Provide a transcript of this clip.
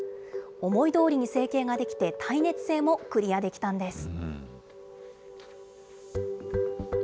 思いどおりに成形ができて、耐熱性もクリアできたんです。